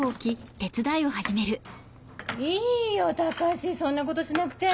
いいよ高志そんなことしなくて。